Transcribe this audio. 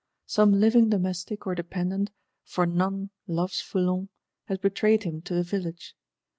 Some living domestic or dependant, for none loves Foulon, has betrayed him to the Village.